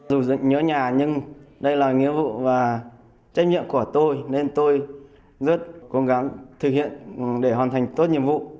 dù nhớ nhà nhưng đây là nghĩa vụ và trách nhiệm của tôi nên tôi rất cố gắng thực hiện để hoàn thành tốt nhiệm vụ